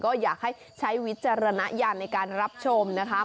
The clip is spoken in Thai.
ก็อยากให้ใช้วิจารณญาณในการรับชมนะคะ